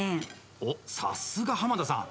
おっ、さすが濱田さん。